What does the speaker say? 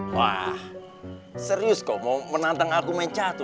wah serius kok mau menantang aku main catur